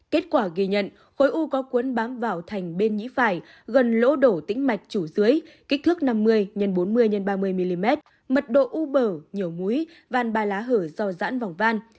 kết quả ghi nhận khối u có cuốn bám vào thành bên nhĩ phải gần lỗ đổ tĩnh mạch chủ dưới kích thước năm mươi x bốn mươi x ba mươi mm mật độ u bở nhiều mũi van ba lá hở do dãn vòng van